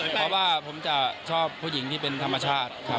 เพราะว่าผมจะชอบผู้หญิงที่เป็นธรรมชาติครับ